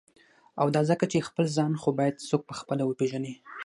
او دا ځکه چی » خپل ځان « خو باید څوک په خپله وپیژني.